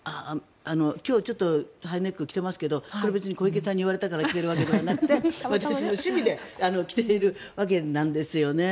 今日、ハイネック着てますけどこれ、別に小池さんに言われたから着ているわけじゃなくて私の趣味で着ているわけなんですよね。